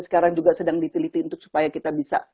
sekarang juga sedang diteliti untuk supaya kita bisa